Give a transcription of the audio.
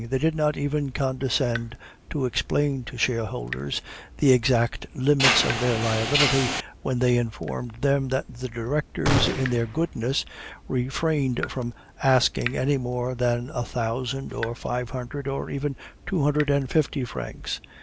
They did not even condescend to explain to shareholders the exact limits of their liabilities when they informed them that the directors in their goodness, refrained from asking any more than a thousand, or five hundred, or even two hundred and fifty francs.